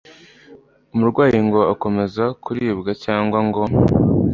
umurwayi ngo akomeze kuribwa cyangwa ngo